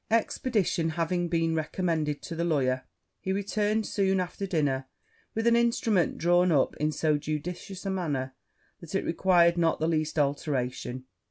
Expedition having been recommended to the lawyer, he returned soon after dinner with an instrument drawn up in so judicious a manner, that it required not the least alteration.